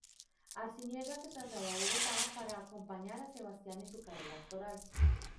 Arciniegas se trasladó a Bogotá para acompañar a Sebastián en su carrera actoral.